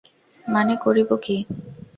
মনে করিব কী!